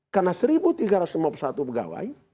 karena satu tiga ratus lima puluh satu pegawai